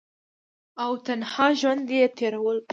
او تنها ژوند ئې تيرولو ۔